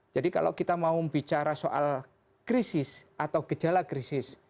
jadi kalau kita mau bicara soal krisis atau gejala krisis